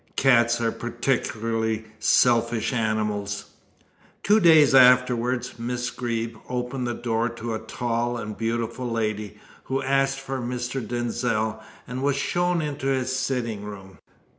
Cats are particularly selfish animals. Two days afterwards Miss Greeb opened the door to a tall and beautiful lady, who asked for Mr. Denzil, and was shown into his sitting room.